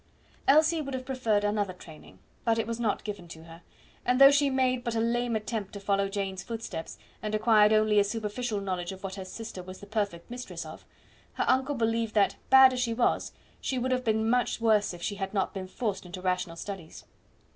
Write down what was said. Elsie would have preferred another training, but it was not given to her; and though she made but a lame attempt to follow Jane's footsteps, and acquired only a superficial knowledge of what her sister was the perfect mistress of, her uncle believed that, bad as she was, she would have been much worse if she had not been forced into rational studies.